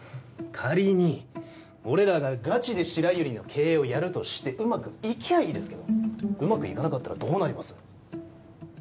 仮に俺らがガチで白百合の経営をやるとしてうまくいきゃいいですけどうまくいかなかったらどうなります？